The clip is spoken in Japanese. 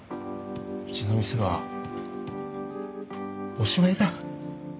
うちの店はおしまいだ。